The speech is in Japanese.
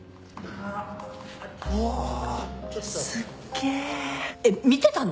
おすっげえっ見てたの？